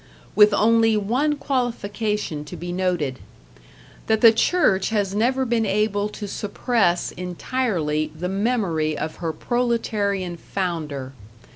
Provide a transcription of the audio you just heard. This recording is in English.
With only one qualification to be noted: that the Church has never been able to suppress entirely the memory of her proletarian Founder.